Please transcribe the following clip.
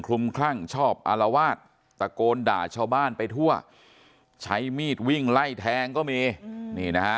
คลุมคลั่งชอบอารวาสตะโกนด่าชาวบ้านไปทั่วใช้มีดวิ่งไล่แทงก็มีนี่นะฮะ